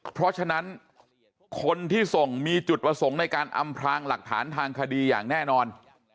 เพราะฉะนั้นคนที่ส่งมีจุดประสงค์ในการอำพลางหลักฐานทางคดีอย่างแน่นอน